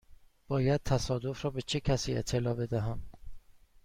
باید تصادف را به چه کسی اطلاع بدهم؟